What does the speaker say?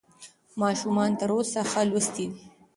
ماشومان تر اوسه ښه لوستي دي.